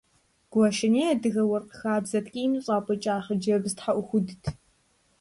Гуащэней адыгэ уэркъ хабзэ ткӀийм щӀапӀыкӀа хъыджэбз тхьэӀухудт.